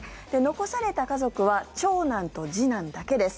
残された家族は長男と次男だけです。